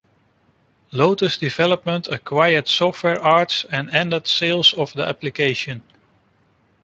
Lotus Development acquired Software Arts and ended sales of the application.